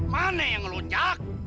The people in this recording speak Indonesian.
mana yang lonjak